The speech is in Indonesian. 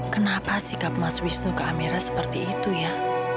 kenapa sikap mas wisnu ke amerika seperti itu ya